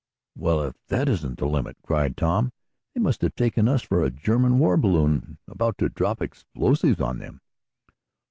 "Well, if that isn't the limit!" cried Tom. "They must have taken us for a German war balloon, about to drop explosives on them."